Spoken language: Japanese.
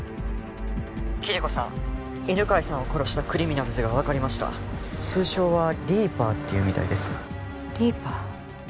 キリコさん犬飼さんを殺したクリミナルズが分かりました通称はリーパーっていうみたいですリーパー？